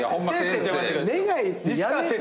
願いってやめて。